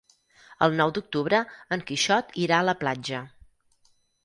El nou d'octubre en Quixot irà a la platja.